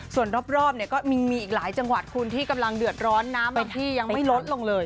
ส่วนรอบเนี่ยก็มีอีกหลายจังหวัดคุณที่กำลังเดือดร้อนน้ำในที่ยังไม่ลดลงเลย